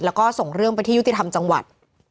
แล้วก็ส่งเรื่องไปที่ยุติธรรมจังหวัด